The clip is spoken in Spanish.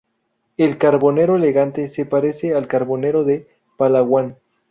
El carbonero elegante se parece al carbonero de Palawan.